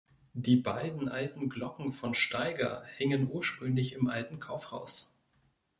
Die beiden alten Glocken von Steiger hingen ursprünglich im alten Kaufhaus.